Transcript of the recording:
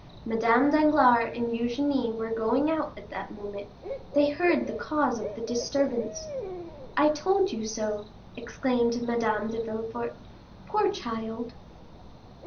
Madame Danglars and Eugénie were going out at that moment; they heard the cause of the disturbance. "I told you so!" exclaimed Madame de Villefort. "Poor child!"